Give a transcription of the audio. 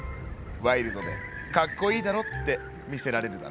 ワイルドでかっこいいだろ？ってみせられるだろ」。